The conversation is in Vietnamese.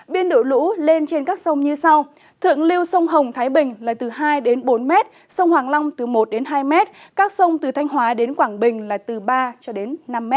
biên độ lũ lên trên các sông như sau thượng lưu sông hồng thái bình là từ hai bốn m sông hoàng long từ một đến hai m các sông từ thanh hóa đến quảng bình là từ ba cho đến năm m